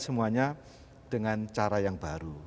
semuanya dengan cara yang baru